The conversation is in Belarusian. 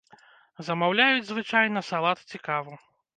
Замаўляюць, звычайна, салат ці каву.